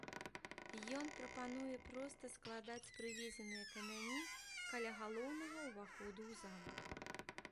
Ён прапануе проста складаць прывезеныя камяні каля галоўнага ўваходу ў замак.